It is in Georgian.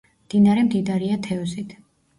მდინარე მდიდარია თევზით.